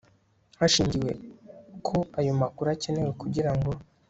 hashingiwe ko ayo makuru akenewe kugira ngo